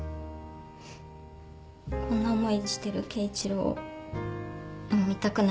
こんな思いしてる圭一郎をもう見たくないから。